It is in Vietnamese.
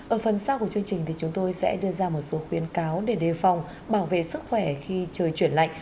ở phần sau của chương trình thì chúng tôi sẽ đưa ra một số khuyến cáo để đề phòng bảo vệ sức khỏe khi trời chuyển lạnh